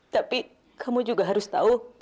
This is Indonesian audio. tapi kamu juga harus tahu